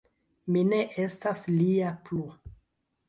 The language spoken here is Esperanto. Mi ne estas lia plu.